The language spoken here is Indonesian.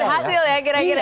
jadi berhasil ya kira kira